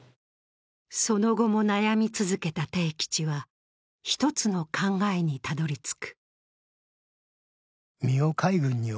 その後も悩み続けた悌吉は、一つの考えにたどり着く。